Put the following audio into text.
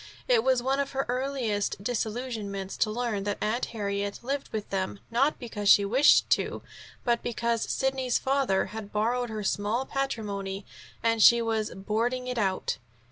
It was one of her earliest disillusionments to learn that Aunt Harriet lived with them, not because she wished to, but because Sidney's father had borrowed her small patrimony and she was "boarding it out."